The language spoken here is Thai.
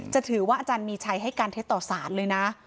จะถือว่าอาจารย์มีชัยให้การเท็จต่อสารเลยนะ